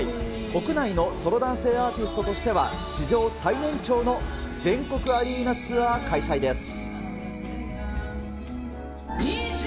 国内のソロ男性アーティストとしては、史上最年長の全国アリーナツアー開催です。